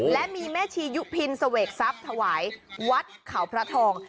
และมีแม่ชียุพินเสวกทรัพย์ถวายวัดเขาพระทอง